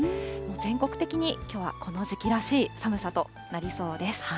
全国的にきょうはこの時期らしい寒さとなりそうです。